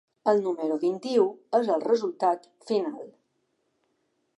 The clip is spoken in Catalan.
El número vint-i-u és el resultat final.